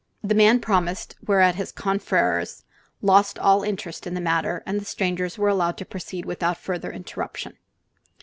The man promised, whereat his confreres lost all interest in the matter and the strangers were allowed to proceed without further interruption.